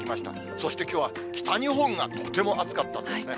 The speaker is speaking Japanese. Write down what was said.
そしてきょうは、北日本がとても暑かったんですね。